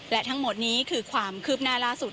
และทั้งหมดนี้คือความคืบหน้าล่าสุด